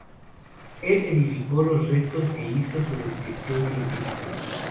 Él identificó los restos e hizo su descripción científica.